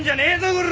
こら！